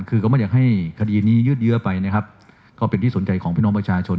คือก็ไม่อยากให้คดีนี้ยืดเยื้อไปนะครับก็เป็นที่สนใจของพี่น้องประชาชน